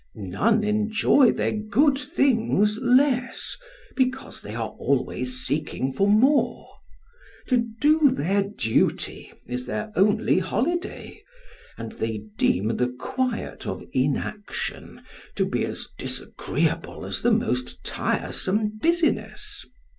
None enjoy their good things less, because they are always seeking for more. To do their duty is their only holiday, and they deem the quiet of inaction to be as disagreeable as the most tiresome business.